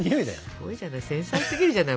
すごいじゃない繊細すぎるじゃない。